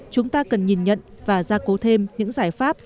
chúng ta cần nhìn nhận và gia cố thêm những giải pháp